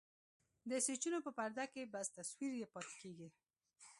د سوچونو په پرده کې بس تصوير يې پاتې کيږي.